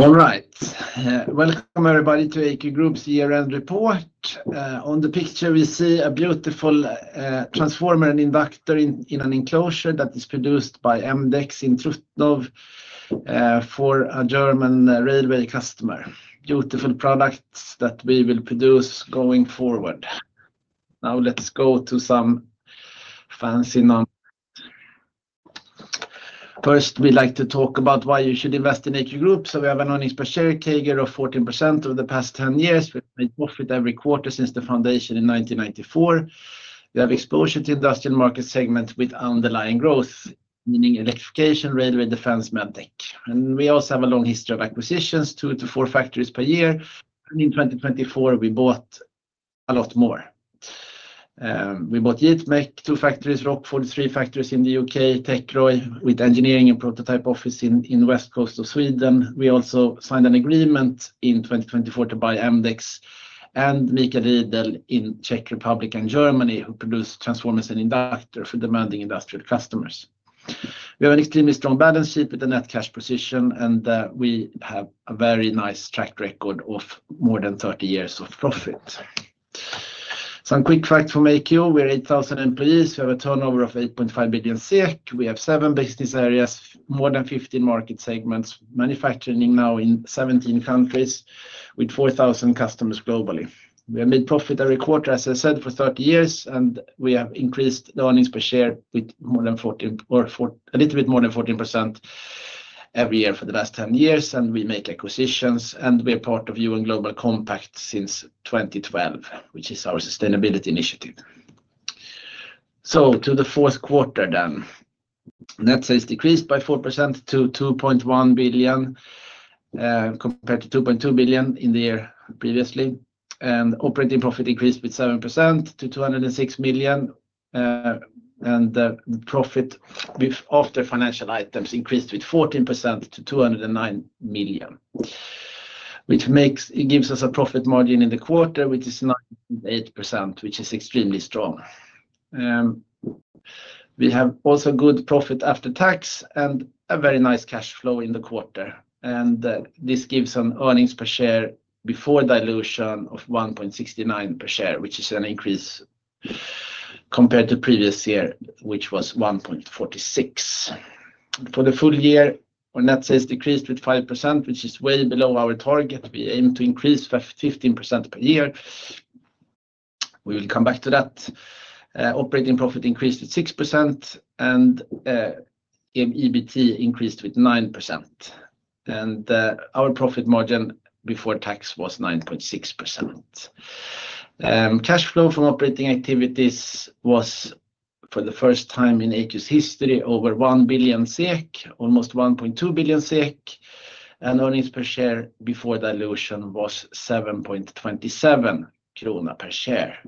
All right, welcome everybody to AQ Group's year end report. On the picture we see a beautiful transformer and inductor in an enclosure that is produced by Amdex in Trutnov for a German railway customer. Beautiful products that we will produce going forward. Now let's go to some fancy numbers. First we'd like to talk about why you should invest in AQ Group. We have an earnings per share CAGR of 14% over the past 10 years. We've made profit every quarter since the foundation in 1994. We have exposure to industrial market segments with underlying growth meaning electrification, railway, defense, Medtech. We also have a long history of acquisitions, two to four factories per year. In 2024 we bought a lot more. We bought JIT Mech, two factories in Rockford, three factories in the U.K., TechROi with engineering and prototyp office in west coast of Sweden. We also signed an agreement in 2024 to buy Amdex and Michael Riedel in Czech Republic and Germany who produce transformers and inductors for demanding industrial customers. We have an extremely strong balance sheet with a net cash position and we have a very nice track record of more than 30 years of profit. Some quick facts from AQ. We're 8,000 employees. We have a turnover of 8.5 billion SEK. We have 7 business areas, more than 15 market segments manufacturing now in 17 countries with 4,000 customers. Globally we have made profit every quarter as I said for 30 years. And we have increased the earnings per share with more than 14 or a little bit more than 14% every year for the last 10 years. And we make acquisitions and we are part of UN Global Compact since 2012 which is our sustainability initiative. To the fourth quarter then. Net sales decreased by 4% to 2.1 billion compared to 2.2 billion in the year previously. Operating profit increased with 7% to 206 million. The profit after financial items increased with 14% to 209 million, which gives us a profit margin in the quarter which is 9.8%, which is extremely strong. We have also good profit after tax and a very nice cash flow in the quarter, and this gives an earnings per share before dilution of 1.69 per share which is an increase compared to previous year which was 1.46 for the full year. Our net sales decreased with 5% which is way below our target. We aim to increase 15% per year. We will come back to that. Operating profit increased at 6%. EBT increased with 9%. Our profit margin before tax was 9.6%. Cash flow from operating activities was for the first time in AQ's history over 1 billion SEK. Almost 1.2 billion SEK. Earnings per share before dilution was 7.27 krona per share.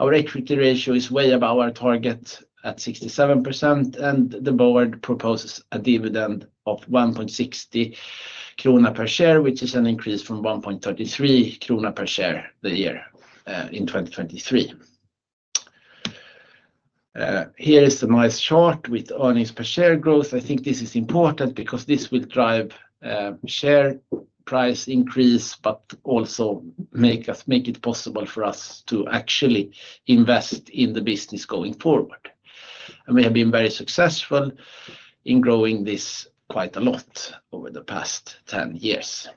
Our equity ratio is way above our target at 67%. The board proposes a dividend of 1.60 krona per share, which is an increase from 1.33 krona per share in 2023. Here is the nice chart with earnings per share growth. I think this is important because this will drive share price increase but also make it possible for us to actually invest in the business going forward. We have been very successful in growing this quite a lot over the past 10 years.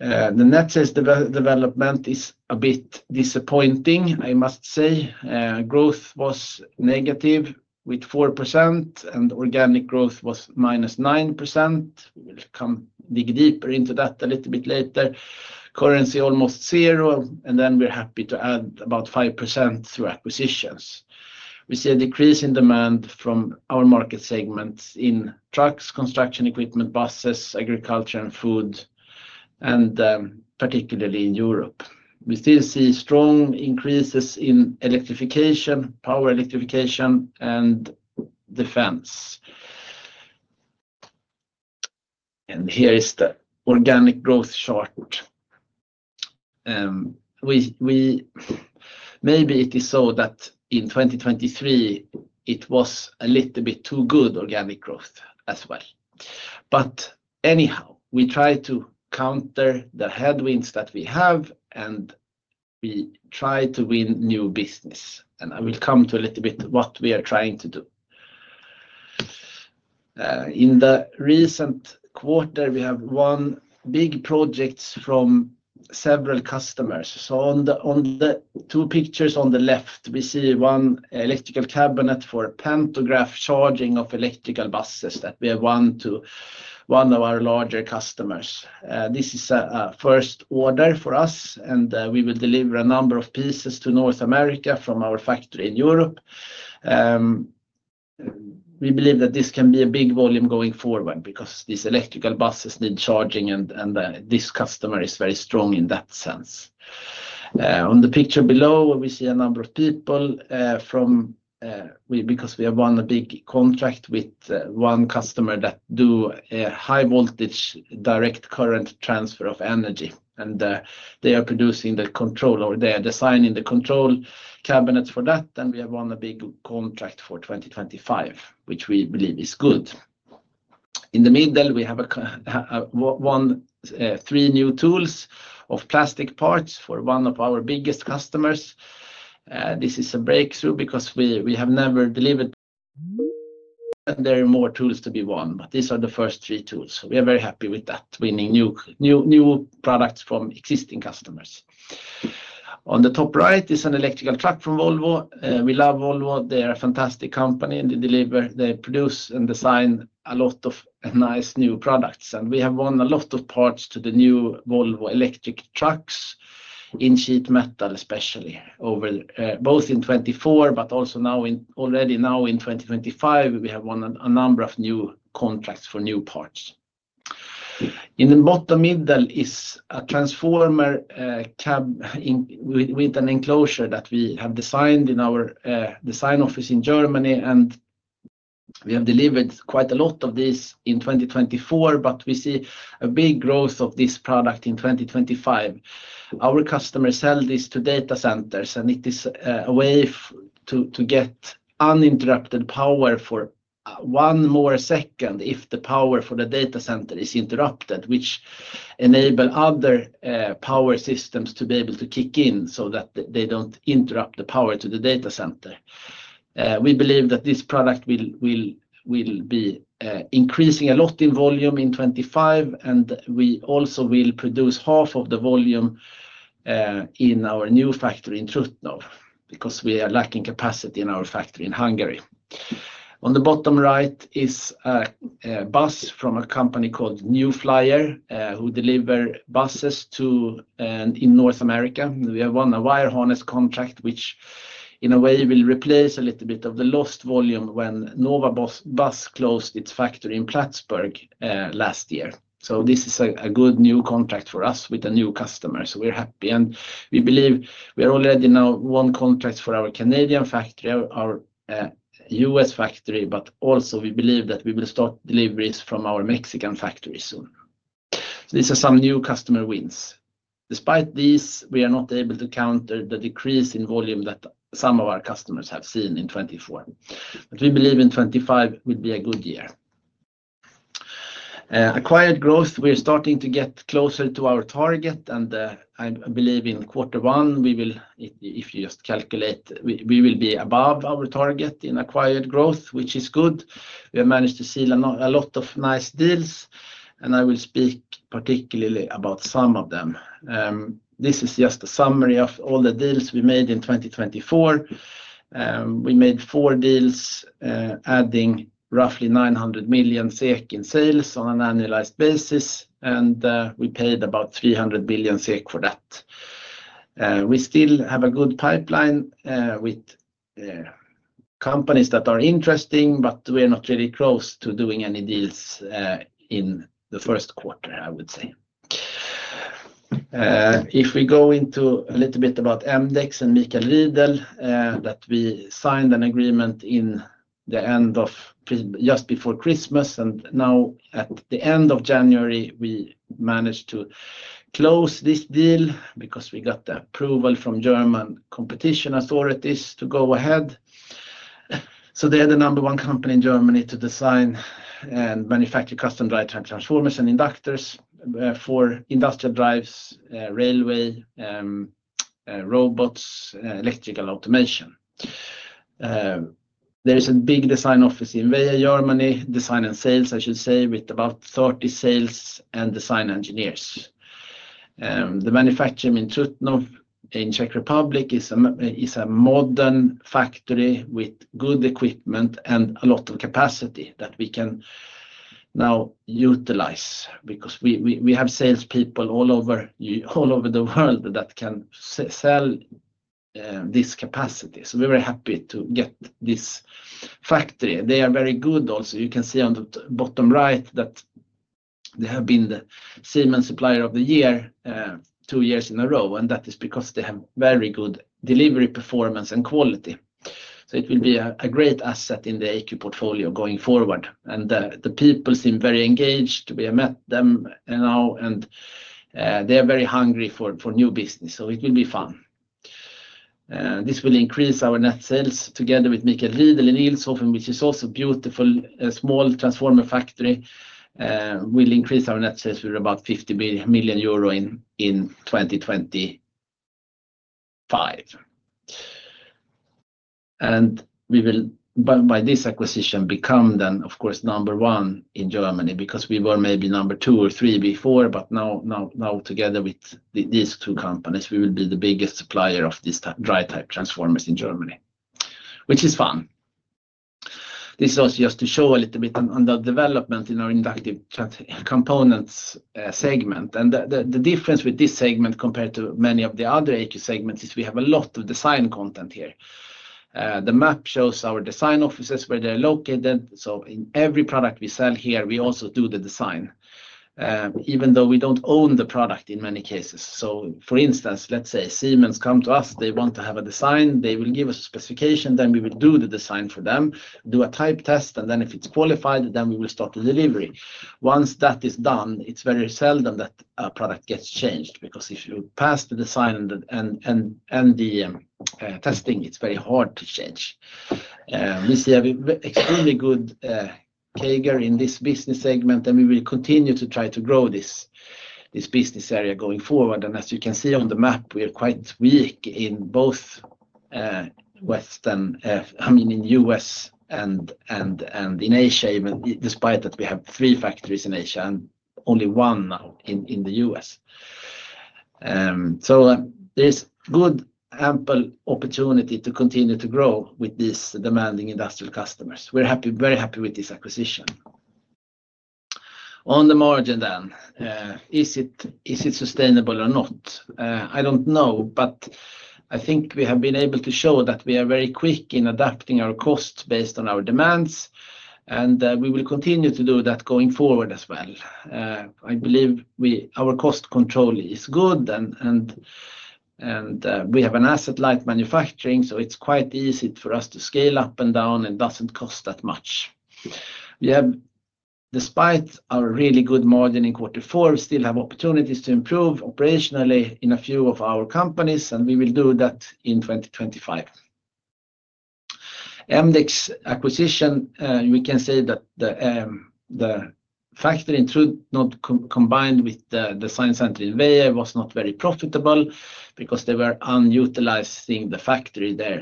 The net sales development is a bit disappointing, I must say. Growth was negative with 4% and organic growth was minus 9%. We will come dig deeper into that a little bit later. Currency almost zero. We are happy to add about 5%. Through acquisitions we see a decrease in demand from our market segments in trucks, construction equipment, buses, agriculture and food. Particularly in Europe, we still see strong increases in electrification, power electrification, and defense. Here is the organic growth shortage. Maybe it is so that in 2023 it was a little bit too good organic growth as well, but anyhow, we try to counter the headwinds that we have and we try to win new business, and I will come to a little bit what we are trying to do. In the recent quarter we have won big projects from several customers. On the two pictures on the left we see one electrical cabinet for pantograph charging of electrical buses that we have won to one of our larger customers. This is a first order for us and we will deliver a number of pieces to North America from our factory in Europe. We believe that this can be a big volume going forward because these electrical buses need charging, and this customer is very strong in that sense. On the picture below we see a number of people from, because we have won a big contract with one customer that do a high voltage direct current transfer of energy, and they are producing the control over there, designing the control cabinets for that, and we have won a big contract for 2025, which we believe good. In the middle we have. Three new tools of plastic parts for one of our biggest customers. This is a breakthrough because we have never delivered and there are more tools to be won. These are the first three tools. We are very happy with that, winning new products from existing customers. On the top right is an electrical truck from Volvo, we love Volvo. They are a fantastic company and they deliver, they produce and design a lot of nice new products. We have won a lot of parts to the new Volvo electric trucks in sheet metal, especially over both in 2024, but also now in already now in 2025, we have won a number of new contracts for new parts. In the bottom middle is a transformer cab with an enclosure that we have designed in our design office in Germany. We have delivered quite a lot of this in 2024. We see a big growth of this product in 2025. Our customers sell this to data centers and it is a way to get uninterrupted power for one more second if the power for the data center is interrupted, which enable other power systems to be able to kick in so that they don't interrupt the power to the data center. We believe that this product will be increasing a lot in volume in 2025 and we also will produce half of the volume in our new factory in Trutnov because we are lacking capacity in our factory in Hungary. On the bottom right is a bus from a company called New Flyer who deliver buses to North America. We have won a wire harness contract which in a way will replace a little bit of the lost volume when Nova Bus closed its factory in Plattsburgh last year. So this is a good new contract for us with a new customer. So we're happy and we believe we are already now won contracts for our Canadian factory, our U.S. factory, but also we believe that we will start deliveries from our Mexican factory soon. These are some new customer wins. Despite these, we are not able to counter the decrease in volume that some of our customers have seen in 2014. But we believe in 2025 would be a good year. Acquired growth. We're starting to get closer to our target and I believe in quarter one we will. If you just calculate, we will be above our target in acquired growth, which is good. We have managed to seal a lot of nice deals and I will speak particularly about some of them. This is just a summary of all the deals we made in 2024. We made four deals adding roughly 900 million SEK in sales on an annualized basis, and we paid about 300 billion SEK for that. We still have a good pipeline with companies that are interesting, but we are not really close to doing any deals in the first quarter. I would say. If we go into a little bit about Amdex and Michael Riedel, that we signed an agreement in the end of just before Christmas and now at the end of January we managed to close this deal because we got the approval from German competition authorities to go ahead. They are the number one company in Germany to design and manufacture custom drivetrain transformers and inductors for industrial drives, railway robots, electrical automation. There is a big design office in Germany. Design and sales, I should say, with about 30 sales and design engineers. The manufacturing in Trutnov in Czech Republic is a modern factory with good equipment and a lot of capacity that we can now utilize because we have salespeople all over the world that can sell this capacity. We are very happy to get this factory. They are very good. Also, you can see on the bottom right that they have been the Siemens supplier of the year two years in a row. That is because they have very good delivery, performance, and quality. It will be a great asset in the AQ portfolio going forward. The people seem very engaged. We have met them now and they are very hungry for new business. It will be fun. This will increase our net sales. Together with Michael Riedel in Ilshofen, which is also beautiful, a small transformer factory will increase our net sales with about 50 million euro in 2025. We will by this acquisition become then of course number one in Germany, because we were maybe number two or three before. Now together with these two companies, we will be the biggest supplier of this dry type transformers in Germany, which is fun. This also just to show a little bit on the development in our inductive components segment. The difference with this segment compared to many of the other AQ segments is we have a lot of design content here. The map shows our design offices where they're located. In every product we sell here, we also do the design, even though we don't own the product in many cases. For instance, let's say Siemens, they want to have a design, they will give us a specification, then we will do the design for them, do a type test, and then if it's qualified, then we will start the delivery. Once that is done, it's very seldom that a product gets changed because if you pass the design and the testing, it's very hard to change. We see an extremely good CAGR in this business segment and we will continue to try to grow this business area going forward. As you can see on the map, we are quite weak in both western, I mean in the U.S. and in Asia. Despite that, we have three factories in Asia and only one now in the U.S. There is good ample opportunity to continue to grow with these demanding industrial customers, we're happy, very happy with this acquisition. On the margin then, is it sustainable or not? I don't know. I think we have been able to show that we are very quick in adapting our costs based on our demands and we will continue to do that going forward as well. I believe our cost control is good. We have an asset-light manufacturing. It is quite easy for us to scale up and down and does not cost that much. Despite our really good margin in quarter four, we still have opportunities to improve operationally in a few of our companies and we will do that in 2025. Amdex acquisition. We can say that the factory in Trutnov combined with the design center in VEA, was not very profitable because they were unutilized, the factory there.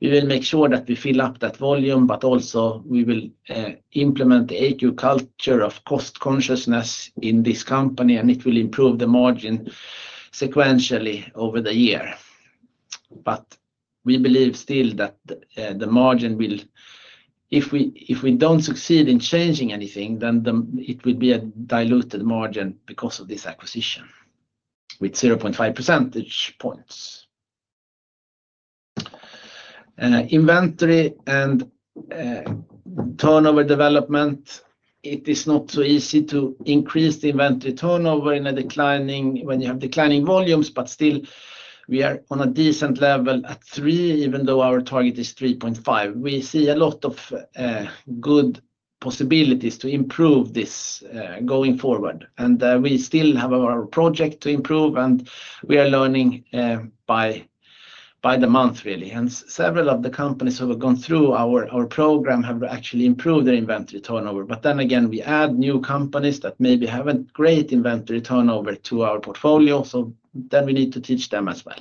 We will make sure that we fill up that volume. We will implement the AQ culture of cost consciousness in this company and it will improve the margin sequentially over the year. We believe still that the margin will, if we do not succeed in changing anything, then it would be a diluted margin because of this acquisition with 0.5 percentage points. Inventory and turnover development. It is not so easy to increase the inventory turnover when you have declining volumes, but still, we are on a decent level at three, even though our target is 3.5. We see a lot of good possibilities to improve this going forward. We still have our project to improve, and we are learning by the month really. Several of the companies who have gone through our program have actually improved their inventory turnover. Again, we add new companies that maybe have not great inventory turnover to our portfolio. We need to teach them as well.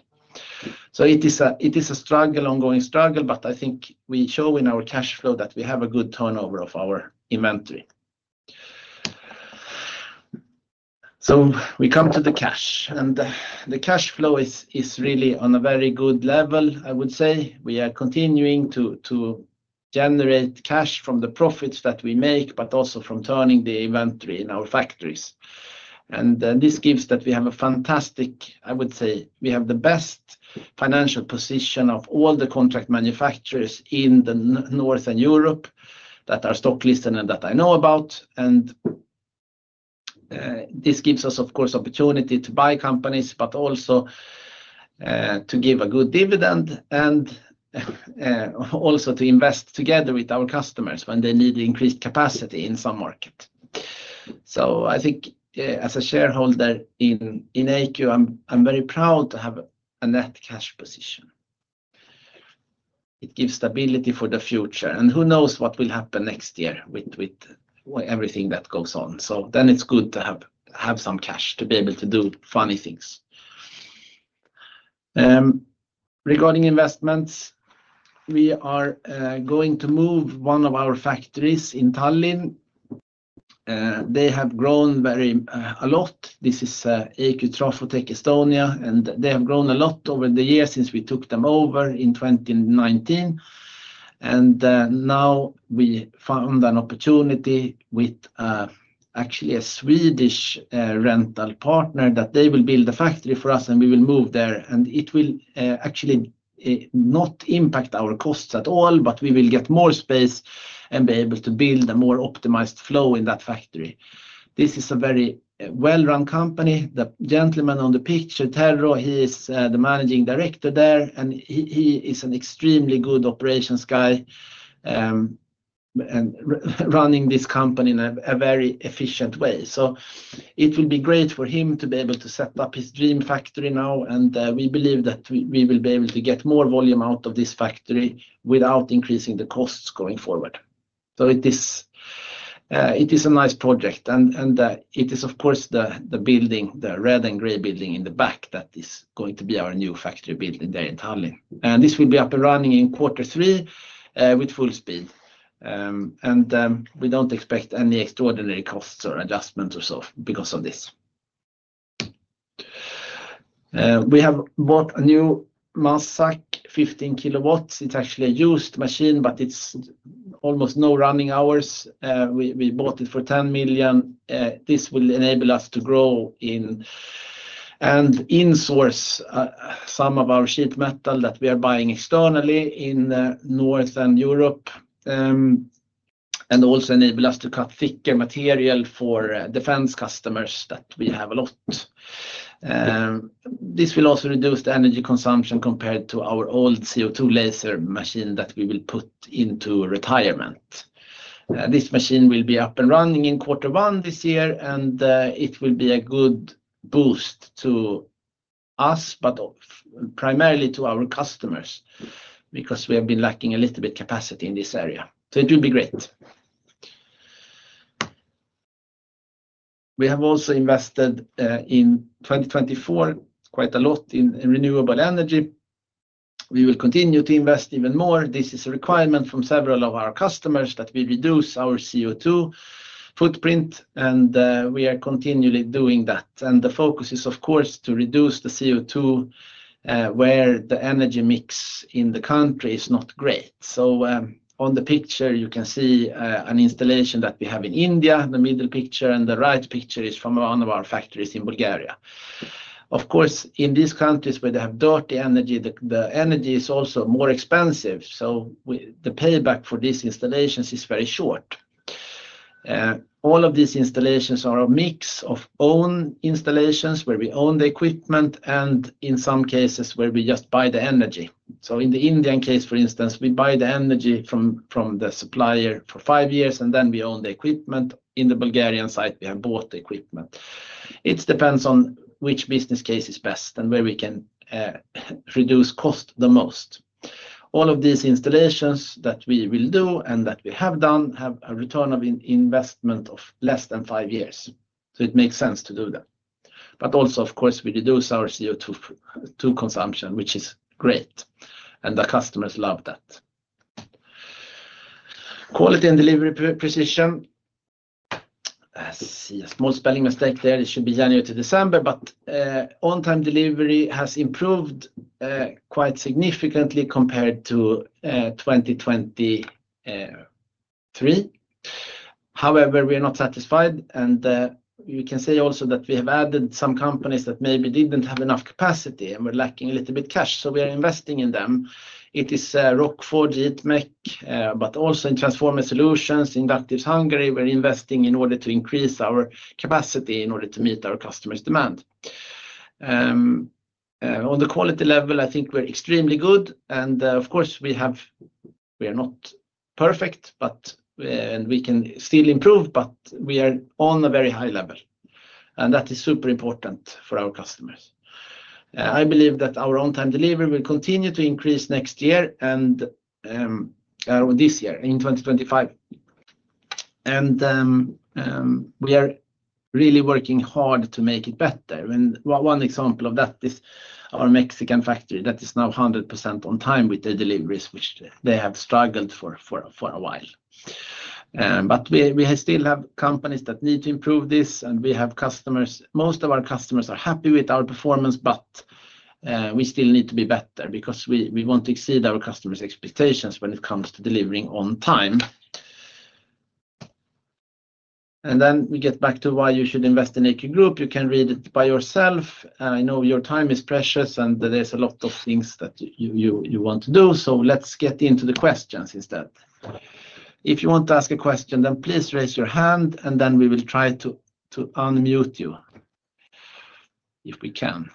It is a struggle, ongoing struggle. I think we show in our cash flow that we have a good turnover of our inventory. We come to the cash and the cash flow is really on a very good level. I would say we are continuing to generate cash from the profits that we make, but also from turning the inventory in our factories. This gives that we have a fantastic, I would say we have the best financial position of all the contract manufacturers in the Northern Europe that are stock listed and that I know about. This gives us, of course, opportunity to buy companies, but also to give a good dividend and also to invest together with our customers when they need increased capacity in some market. I think as a shareholder in AQ, I'm very proud to have a net cash position. It gives stability for the future, and who knows what will happen next year with everything that goes on. Then it's good to have some cash to be able to do funny things. Regarding investments, we are going to move one of our factories in Tallinn. They have grown very a lot. This is AQ Trafotek Estonia, and they have grown a lot over the years since we took them over in 2019. We found an opportunity with actually a Swedish rental partner that they will build a factory for us and we will move there. It will actually not impact our costs at all, but we will get more space and be able to build a more optimized flow in that factory. This is a very well run company. The gentleman on the picture, Tero, he is the Managing Director there and he is an extremely good operations guy. Running this company in a very efficient way. It will be great for him to be able to set up his dream factory now. We believe that we will be able to get more volume out of this factory without increasing the costs going forward. It is a nice project. It is of course the building, the red and gray building in the back that is going to be our new factory building there in Tallinn. This will be up and running in quarter three with full speed and we do not expect any extraordinary costs or adjustments or so because of this. We have bought a new Mazak, 15 kilowatts. It's actually a used machine, but it's almost no running hours. We bought it for 10 million. This will enable us to grow in and in source some of our sheet metal that we are buying externally in Northern Europe. This also enables us to cut thicker material for defense customers that we have a lot. This will also reduce the energy consumption compared to our old CO2 laser machine that we will put into retirement. This machine will be up and running in quarter one this year and it will be a good boost to us, but primarily to our customers because we have been lacking a little bit capacity in this area. It will be great. We have also invested in 2024 quite a lot in renewable energy. We will continue to invest even more. This is a requirement from several of our customers that we reduce our CO2 footprint. We are continually doing that. The focus is of course to reduce the CO2 where the energy mix in the country is not great. On the picture you can see an installation that we have in India. The middle picture and the right picture is from one of our factories in Bulgaria. Of course, in these countries where they have dirty energy, the energy is also more expensive. The payback for these installations is very short. All of these installations are a mix of own installations where we own the equipment and in some cases where we just buy the energy. In the Indian case for instance, we buy the energy from the supplier for five years and then we own the equipment. In the Bulgarian side we have bought the equipment. It depends on which business case is best and where we can reduce cost the most. All of these installations that we will do and that we have done have a return of investment of less than five years. It makes sense to do that. Also of course we reduce our CO2 consumption which is great and the customers love that. Quality and delivery precision. Small spelling mistake there. It should be January to December, but on time delivery has improved quite significantly compared to 2023. However, we are not satisfied. You can say also that we have added some companies that maybe did not have enough capacity and were lacking a little bit cash. We are investing in them. It is Rockford, JIT Mech but also in Transformer Solutions, Inductives Hungary. We are investing in order to increase our capacity in order to meet our customers' demand. On the quality level I think we're extremely good and of course we have. We are not perfect but we can still improve but we are on a very high level and that is super important for our customers. I believe that our on time delivery will continue to increase next year. This year in 2025, we are really working hard to make it better. One example of that is our Mexican factory that is now 100% on time with the deliveries, which they have struggled for a while. We still have companies that need to improve this and we have customers. Most of our customers are happy with our performance, but we still need to be better because we want to exceed our customers' expectations when it comes to delivering on time. We get back to why you should invest in AQ Group. You can read it by yourself. I know your time is precious and there are a lot of things that you want to do. Let's get into the questions instead. If you want to ask a question, please raise your hand and we will try to unmute you if we can.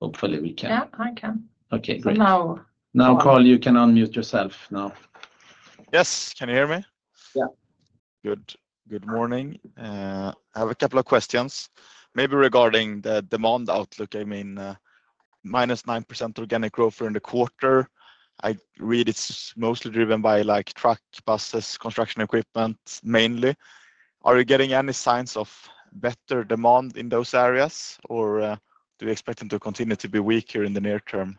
Hopefully we can. Yeah, I can. Okay, great. Now [Carl], you can unmute yourself now. Yes. Can you hear me? Yeah. Good. Good morning. I have a couple of questions maybe regarding the demand outlook. I mean minus 9% organic growth during the quarter. I read it's mostly driven by like truck buses, construction equipment mainly. Are you getting any signs of better demand in those areas or do you expect them to continue to be weaker in the near term?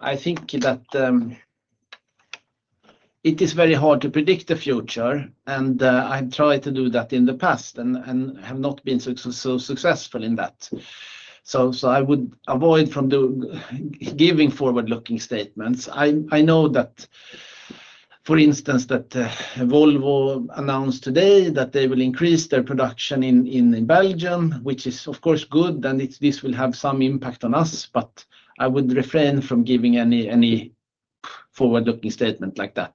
I think that it is very hard to predict the future and I tried to do that in the past and have not been so successful in that. I would avoid giving forward looking statements. I know that for instance that Volvo announced today that they will increase their production in Belgium region, which is of course good. This will have some impact on us, but I would refrain from giving any forward looking statement like that.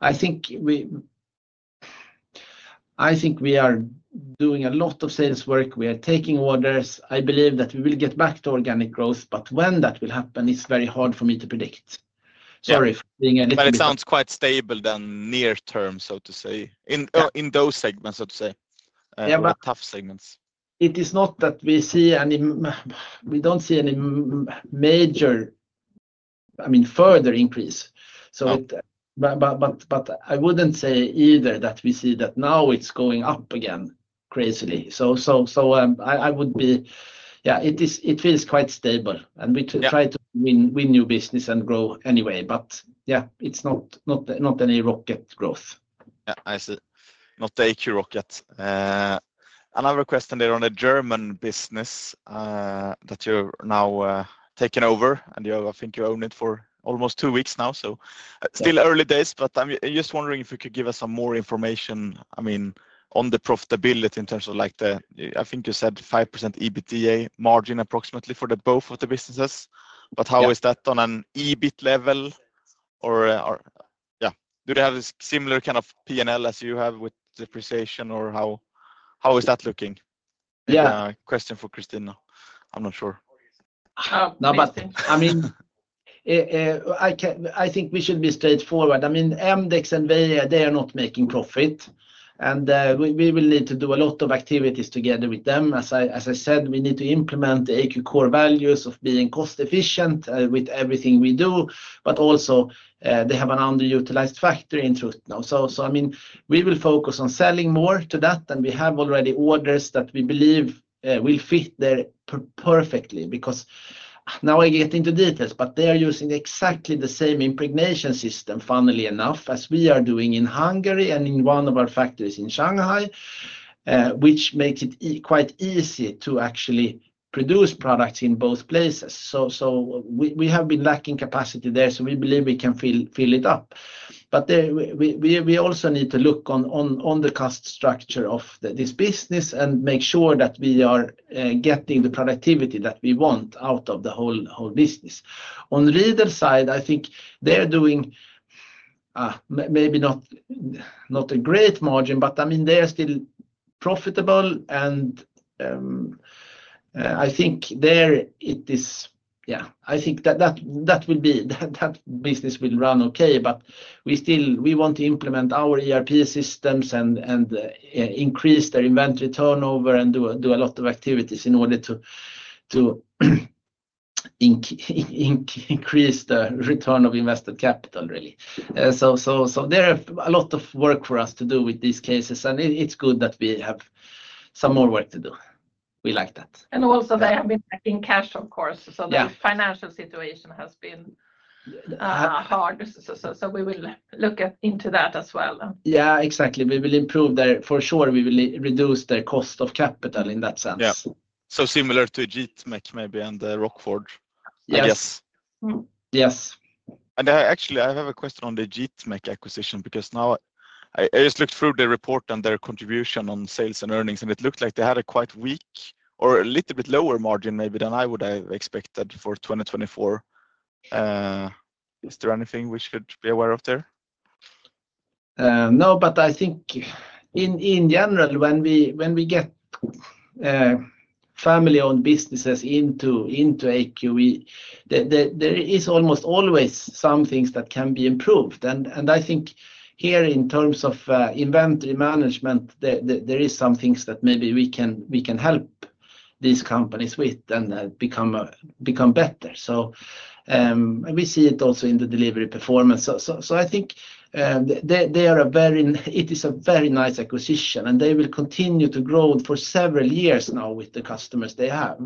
I think we. I think we are doing a lot of sales work, we are taking orders. I believe that we will get back to organic growth but when that will happen it's very hard for me to predict. Sorry. It sounds quite stable in the near term, so to say, in those segments, let's say tough segments. It is not that we see any, we don't see any major, I mean further increase. But I wouldn't say either that we see that now it's going up again crazily. I would be, yeah, it feels quite stable and we try to win new business and grow anyway. But yeah, it's not any rocket growth. I see not the AQ rocket. Another question there on a German business that you're now taking over and I think you own it for almost two weeks now. Still early days. I am just wondering if you could give us some more information. I mean on the profitability in terms of like the, I think you said 5% EBITDA margin approximately for both of the businesses. How is that on an EBIT level or-- Yeah. Do they have a similar kind of P and L as you have with depreciation or how is that looking? Yeah, question for Christina. I'm not sure. I think we should be straightforward. I mean Amdex and VE, they are not making profit and we will need to do a lot of activities together with them as I said we need to implement the AQ core values of being cost efficient with everything we do. Also, they have an underutilized factory in Trutnov, so I mean we will focus on selling more to that than we have already, orders that we believe will fit there perfectly because now I get into details, but they are using exactly the same impregnation system, funnily enough, as we are doing in Hungary and in one of our factories in Shanghai, which makes it quite easy to actually produce products in both places. We have been lacking capacity there, so we believe we can fill it up, but we also need to look on the cost structure of this business and make sure that we are getting the productivity that we want out of the whole business. On Riedel side, I think they are doing. Maybe not a great margin, but I mean they are still profitable. I think there it is-- Yeah, I think that that will be, that business will run okay, but we still, we want to implement our ERP systems and increase their inventory turnover and do a lot of activities in order to. Increase the return of invested capital really. There are a lot of work for us to do with these cases and it's good that we have some more work to do. We like that. They have been in cash, of course, so the financial situation has been hard. We will look into that as well. Yeah, exactly. We will improve there for sure. We will reduce their cost of capital in that sense. Similar to JIT Mech maybe and Rockford. Yes, yes. Actually I have a question on the JIT Mech acquisition because now I just looked through the report and their contribution on sales and earnings and it looked like they had a quite weak or a little bit lower margin maybe than I would have expected for 2024. Is there anything we should be aware of there? No, but I think in general when we get family-owned businesses into AQ, there is almost always some things that can be improved and I think here in terms of inventory management there is some things that maybe we can help these companies with and become better. We see it also in the delivery performance. I think they are a very, it is a very nice acquisition and they will continue to grow for several years now with the customers they have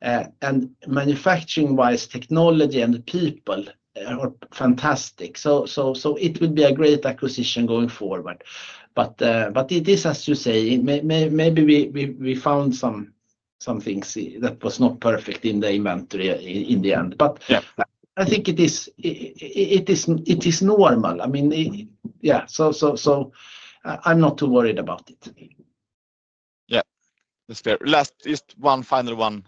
and manufacturing wise, technology and people are fantastic. It will be a great acquisition going forward, but it is as you say, maybe we found something, see that was not perfect in the inventory in the end. I think it is normal. I mean, yes. I am not too worried about it. Yeah, that's fair. Last, one final one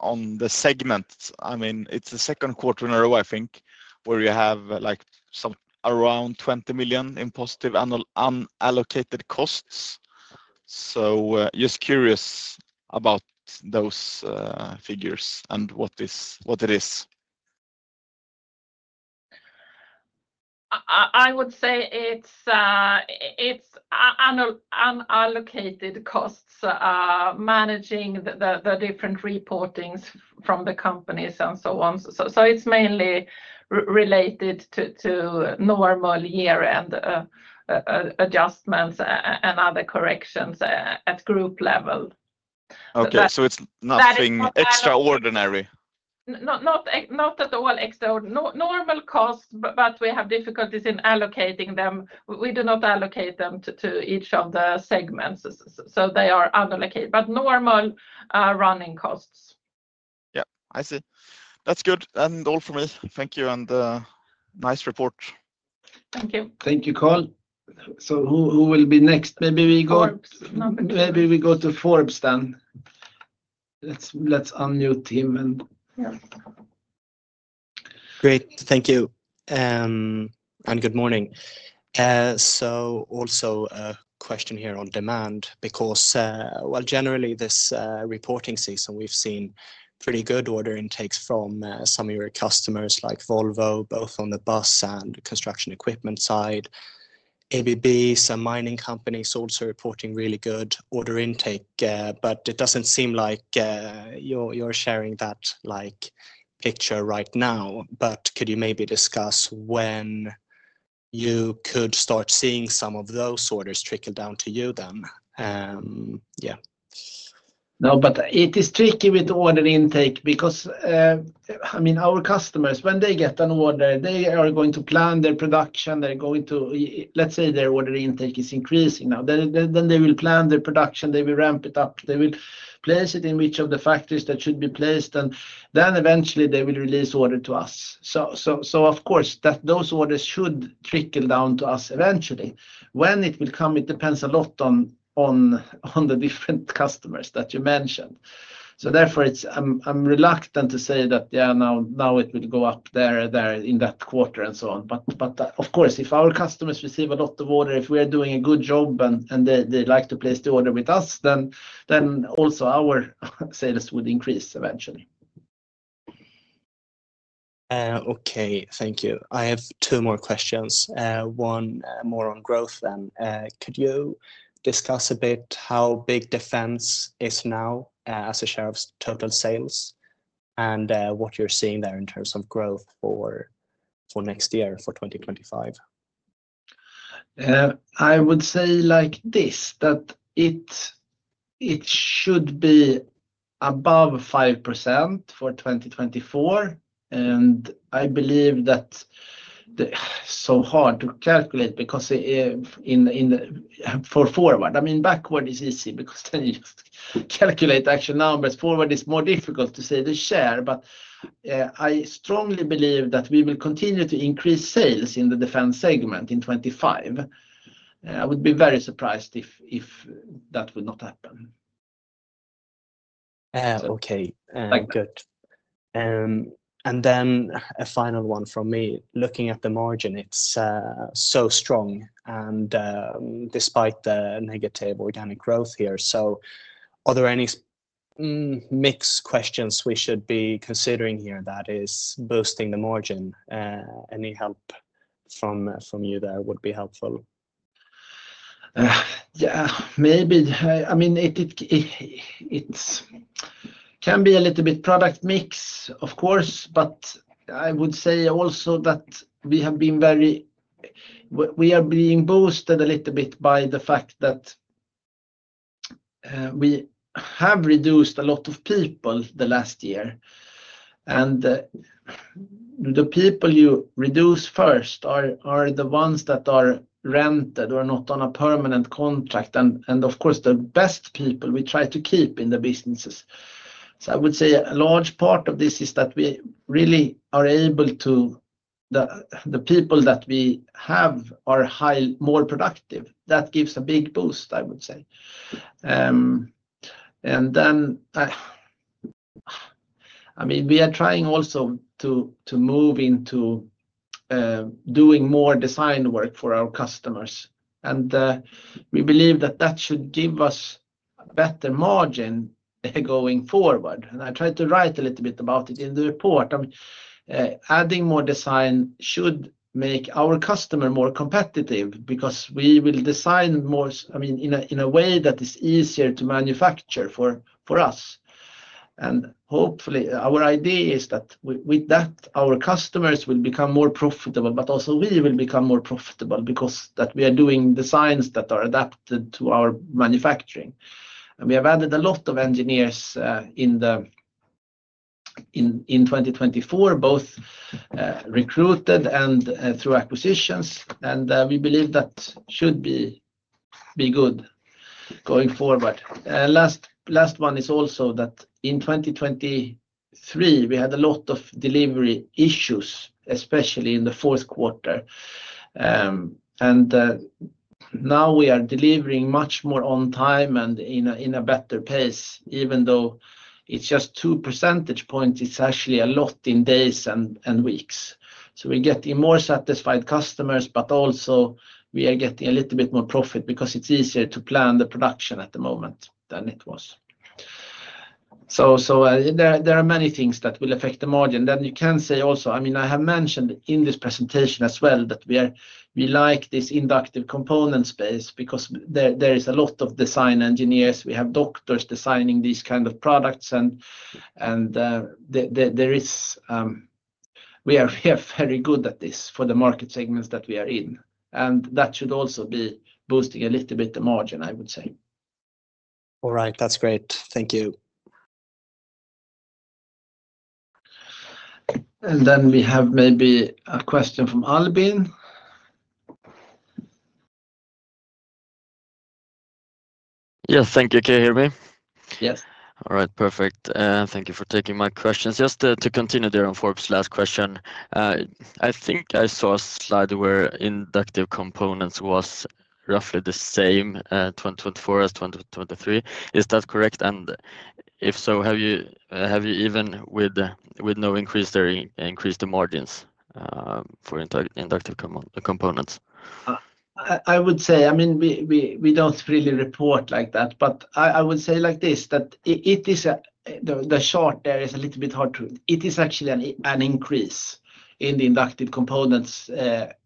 on the segment, I mean it's the second quarter in a row I think where you have like some around $20 million in positive unallocated costs. Just curious about those figures and what it is, what it is. I would say it's an allocated cost, managing the different reportings from the companies and so on. It's mainly related to normal year end adjustments and other corrections at group level. Okay, it's nothing extraordinary, not at all extraordinary. Normal costs, but we have difficulties in allocating them. We do not allocate them to each of the segments. They are unallocated, but normal running costs. Yeah, I see. That's good and all for me, thank you, and nice report. Thank you. Thank you, [Carl]. Who will be next? Maybe we go. Maybe we go to [Forbes], then. Let's unmute him. Great, thank you. Good morning. Also a question here on demand because, well, generally this reporting season we've seen pretty good order intakes from some of your customers like Volvo, both on the bus and construction equipment side. ABB, some mining companies also reporting really good order intake. It doesn't seem like you're sharing that picture right now. Could you maybe discuss when you could start seeing some of those orders trickle down to you then? Yeah, no, but it is tricky with order intake because I mean our customers, when they get an order, they are going to plan their production. They're going to, let's say their order intake is increasing now. They will plan their production, they will ramp it up, they will place it in which of the factories that should be placed. Eventually they will release order to us. Of course those orders should trickle down to us eventually. When it will come, it depends a lot on the different customers that you mentioned. Therefore I'm reluctant to say that now it will go up there in that quarter and so on. Of course if our customers receive a lot of order, if we are doing a good job and they like to place the order with us, then also our sales would increase eventually. Okay, thank you. I have two more questions. One more on growth and could you discuss a bit how big defense is now as a share of total sales and what you're seeing there in terms of growth for next year, for 2025. I would say like this, that it should be above 5% for 2024. I believe that is so hard to calculate because in, in the, for forward, I mean backward is easy because then you just calculate actual numbers. Forward, it's more difficult to say the share. I strongly believe that we will continue to increase sales in the defense segment in 2025. I would be very surprised if that would not happen. Okay, good. A final one from me. Looking at the margin, it's so strong and despite the negative organic growth here. Are there any mixed questions we should be considering here that is boosting the margin? Any help from you there would be helpful. Yeah, maybe. I mean it can be a little bit product mix, of course. I would say also that we have been very. We are being boosted a little bit by the fact that. We have reduced a lot of people the last year. The people you reduce first are the ones that are rented or not on a permanent contract. Of course, the best people we try to keep in the businesses. I would say a large part of this is that we really are able to. The people that we have are more productive. That gives a big boost, I would say. And then-- I mean, we are trying also to move into doing more design work for our customers. We believe that that should give us better margin going forward. I tried to write a little bit about it in the report. Adding more design should make our customer more competitive because we will design more, I mean, in a way that is easier to manufacture for us. Hopefully our idea is that with that our customers will become more profitable, but also we will become more profitable because that we are doing designs that are adapted to our manufacturing. We have added a lot of engineers in 2024, both recruited and through acquisitions. We believe that should be good going forward. Last, last one is also that in 2023 we had a lot of delivery issues, especially in the fourth quarter. We are delivering much more on time and in a better pace. Even though it's just two percentage points, it's actually a lot in days and weeks. We're getting more satisfied customers, but also we are getting a little bit more profit because it's easier to plan the production at the moment than it was. There are many things that will affect the margin. You can say also, I mean, I have mentioned in this presentation as well that we like this inductive component space because there is a lot of design engineers, we have doctors designing these kind of products. We are very good at this for the market segments that we are in. That should also be boosting a little bit the margin, I would say. All right, that's great. Thank you. We have maybe a question from [Albin]. Yes, thank you. Can you hear me? Yes. All right, perfect. Thank you for taking my questions. Just to continue there on [Forbes] last question. I think I saw a slide where inductive components was roughly the same 2024 as 2023. Is that correct? If so, have you, have you even with, with no increase there, increased the margins for inductive components? I would say, I mean, we don't really report like that, but I would say like this that it is the short. There is a little bit hard to. It is actually an increase in the inductive components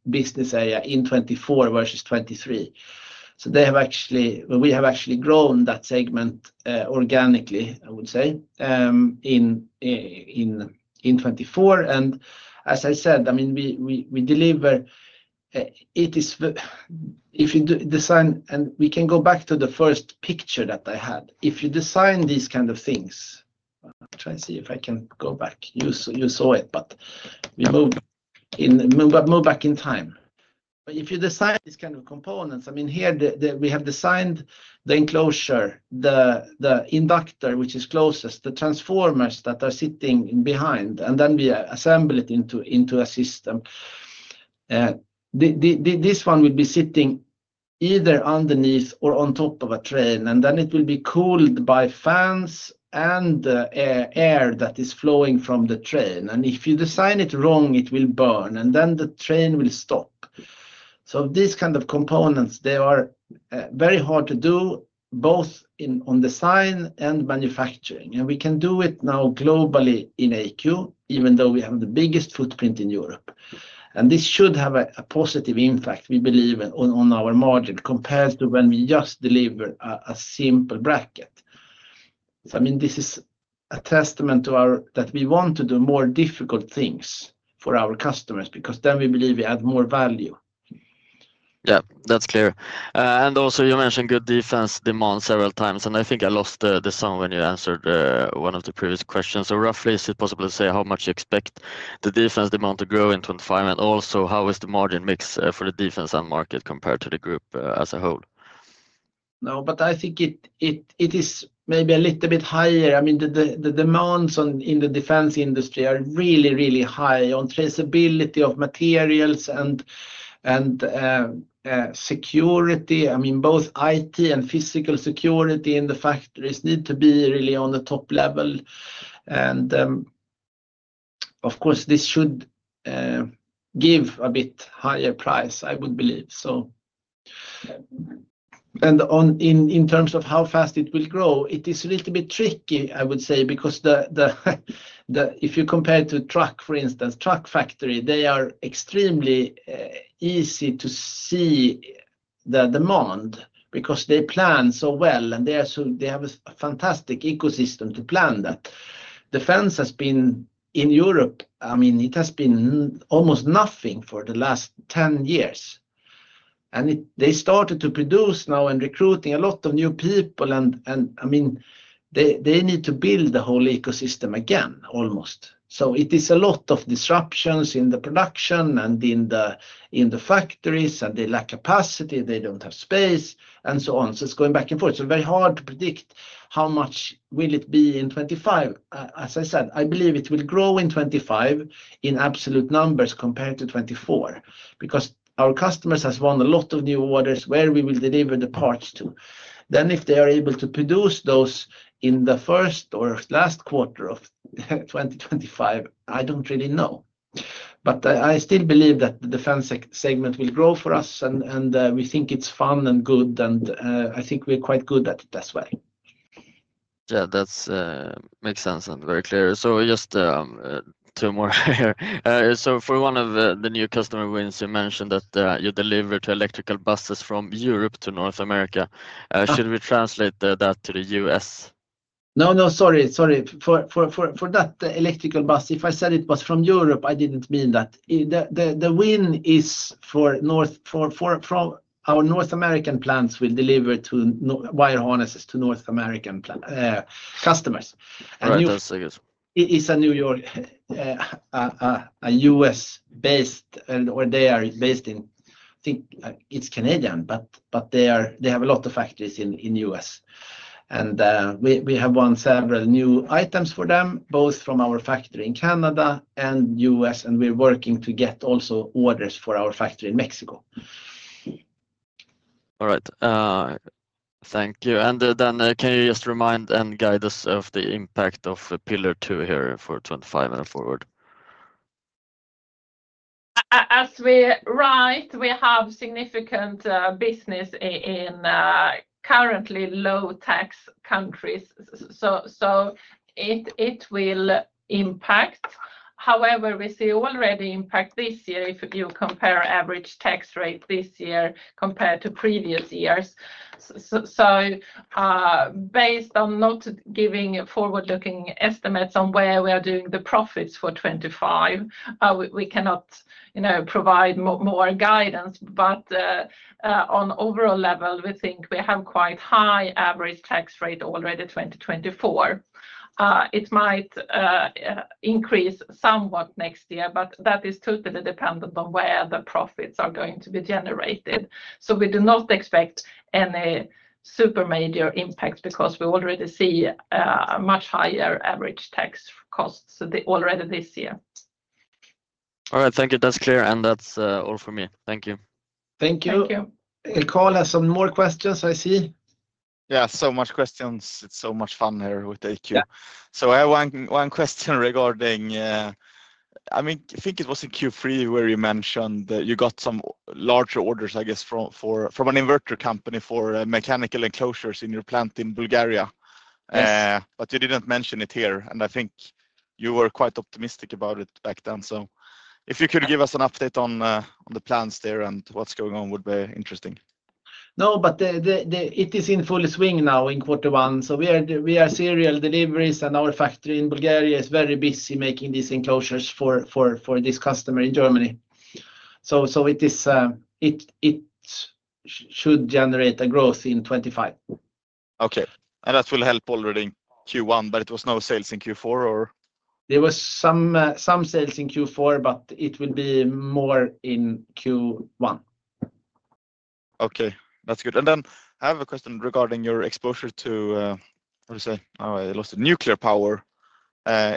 business area in 2024 versus 2023. They have actually. We have actually grown that segment organically I would say in. As I said, I mean we deliver. It is if you design and we can go back to the first picture that I had. If you design these kind of things, try and see if I can go back you. You saw it. We move in, move back in time. If you decide this kind of components, I mean here we have designed the enclosure, the inductor which is closest, the transformers that are sitting behind. Then we assemble it into a system. This one will be sitting either underneath or on top of a train. It will be cooled by fans and air that is flowing from the train. If you design it wrong, it will burn and the train will stop. These kind of components, they are very hard to do both in design and manufacturing. We can do it now globally in AQ even though we have the biggest footprint in Europe. This should have a positive impact we believe on our margin compared to when we just deliver a simple bracket. I mean this is a testament to our that we want to do more difficult things for our customers because then we believe we add more value. Yeah, that's clear. You mentioned good defense demand several times and I think I lost the sum when you answered one of the previous questions. Roughly, is it possible to say how much you expect the defense demand to grow in 2025? Also, how is the margin mix for the defense end market compared to the group as a whole? No, but I think it is maybe a little bit higher. I mean the demands in the defense industry are really, really high on traceability of materials. Security. I mean both IT and physical security in the factories need to be really on the top level. Of course this should give a bit higher price. I would believe so. In terms of how fast it will grow, it is a little bit tricky I would say because if you compare to truck, for instance, truck factory, they are extremely easy to see the demand because they plan so well and they have a fantastic ecosystem to plan. That defense has been in Europe. I mean it has been almost nothing for the last 10 years. They started to produce now and recruiting a lot of new people. I mean they need to build the whole ecosystem again almost. It is a lot of disruptions in the production and in the factories and they lack capacity, they don't have space and so on. It's going back and forth. Very hard to predict how much will it be in 2025. As I said, I believe it will grow in 2025 in absolute numbers compared to 2024 because our customers have won a lot of new orders where we will deliver the parts to them if they are able to produce those in the first or last quarter of 2025, I don't really know. I still believe that the defense segment will grow for us, and we think it's fun and good and I think we're quite good at this way. Yeah, that makes sense and very clear. Just two more here. For one of the new customer wins, you mentioned that you deliver to electrical buses from Europe to North America. Should we translate that to the U.S.? No, sorry for that electrical bus. If I said it was from Europe, I didn't mean that. The win is for North. Our North American plants will deliver two wire harnesses to North American customers. It's in New York. A U.S. based or they are based in, I think it's Canadian but they have a lot of factories in the U.S. and we have won several new items for them both from our factory in Canada and U.S. and we're working to get also orders for our factory in Mexico. All right, thank you. Can you just remind and guide us of the impact of pillar two here for 2025 and forward. As we write, we have significant business in currently low tax countries so it will impact, however we see already impact this year if you compare average tax rate this year compared to previous years. Based on not giving forward looking estimates on where we are doing the profits for 2025, we cannot, you know, provide more guidance. On overall level we think we have quite high average tax rate already 2024. It might increase somewhat next year but that is totally dependent on where the profits are going to be generated. We do not expect any super major impact because we already see a much higher average tax costs already this year. All right, thank you. That's clear. That's all for me. Thank you. Thank you. The call has some more questions, I see. Yeah, so much questions. It's so much fun here with AQ. I have one question regarding, I mean I think it was in Q3 where you mentioned you got some larger orders I guess from an inverter company for mechanical enclosures in your plant in Bulgaria, but you didn't mention it here and I think you were quite optimistic about it back then. If you could give us an update on the plans there and what's going on would be interesting. No, but it is in full swing now in quarter one. We are serial deliveries and our factory in Bulgaria is very busy making these enclosures for this customer in Germany. It should generate a growth in 2025. Okay. That will help already Q1. It was no sales in Q4 or there was some. Some sales in Q4, but it will be more in Q1. Okay, that's good. I have a question regarding your exposure to. Nuclear power.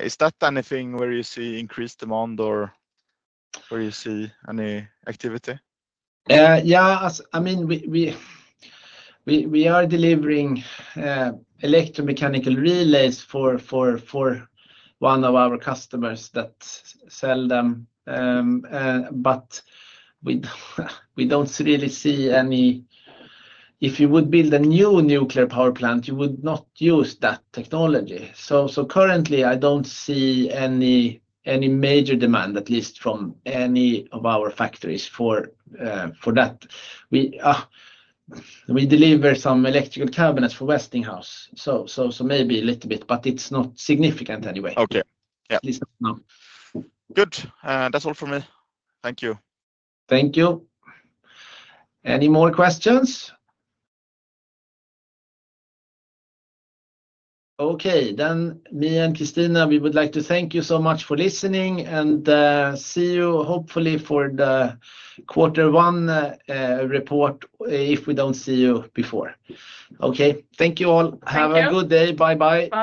Is that anything where you see increased demand or where you see any activity? Yeah, I mean. We are delivering electromechanical relays for one of our customers that sell them. We don't really see any. If you would build a new nuclear power plant, you would not use that technology. Currently I don't see any major demand, at least from any of our factories. For that we deliver some electrical cabinets for Westinghouse. So maybe a little bit, but it's not significant anyway. Okay. Yeah. Good. That's all for me. Thank you. Thank you. Any more questions? Okay. Then, me and Christina, we would like to thank you so much for listening and see you hopefully for the quarter one report. If we don't see you before. Okay, thank you all. Have a good day. Bye-bye.